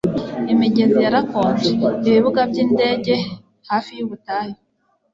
Imigezi yarakonje, ibibuga byindege hafi yubutayu,